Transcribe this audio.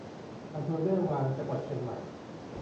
อำเภอแม่วาง จังหวัดเชียงใหม่